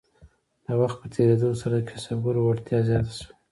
د وخت په تیریدو سره د کسبګرو وړتیا زیاته شوه.